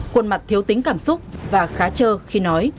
khuôn mặt thiếu tính cảm xúc và khá trơ khi nói